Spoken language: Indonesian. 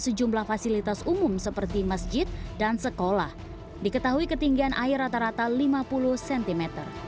sejumlah fasilitas umum seperti masjid dan sekolah diketahui ketinggian air rata rata lima puluh cm